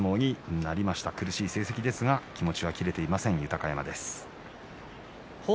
苦しい成績ですが気持ちは切れていません豊山です。